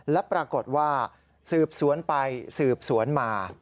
และปรากฏว่าสืบสวนไปสืบสวนมา